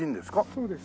そうです。